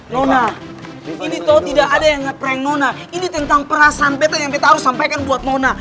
nona ini tau tidak ada yang ngeprank nona ini tentang perasaan beta yang beta harus sampaikan buat nona